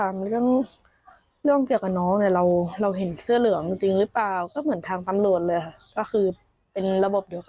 ไม่เท่าไหร่